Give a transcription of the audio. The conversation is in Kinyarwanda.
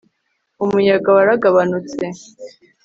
umuyaga waragabanutse